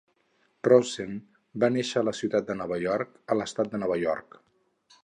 Rosen va néixer a la ciutat de Nova York a l'estat de Nova York.